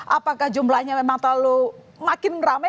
apakah jumlahnya memang terlalu makin rame